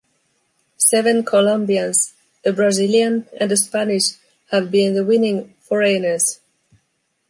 Seven Colombians, a Brazilian and a Spanish have been the winning foreigners.